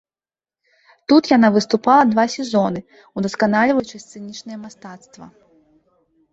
Тут яна выступала два сезоны, удасканальваючы сцэнічнае мастацтва.